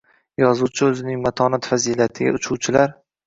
Yozuvchi oʻzining matonat fazilatiga uchuvchilar